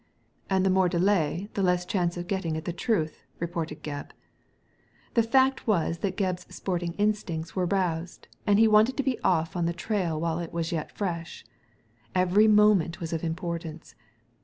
"And the more delay, the less chance of getting at the truth," retorted Gebb. The fact was that Gebb's sporting instincts were roused, and he wanted to be off on the trail while it was yet fresh. Every moment was of importance.